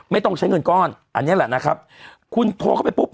ไม่ต้องใช้เงินก้อนอันนี้แหละนะครับคุณโทรเข้าไปปุ๊บ